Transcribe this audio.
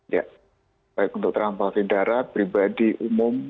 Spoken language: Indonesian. ya baik untuk transportasi darat pribadi umum